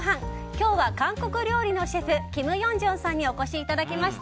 今日は韓国料理のシェフキム・ヨンジュンさんにお越しいただきました。